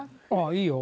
いいよ。